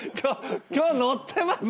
今日、ノってますね！